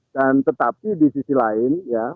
dan tetapi di sisi lain ya